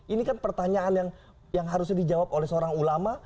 ini kan pertanyaan yang harusnya dijawab oleh seorang ulama